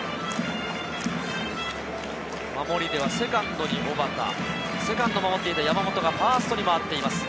守りではセカンドに小幡、セカンドを守っていた山本がファーストにまわっています。